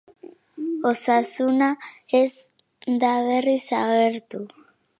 Osasuna ez da berriz agertu.